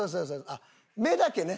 あっ目だけね？